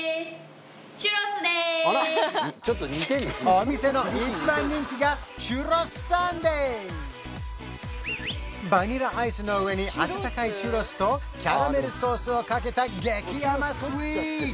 お店の一番人気がチュロスサンデーバニラアイスの上に温かいチュロスとキャラメルソースをかけた激甘スイーツ！